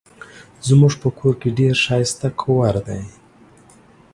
زمونږ په کور کې ډير ښايسته کوور دي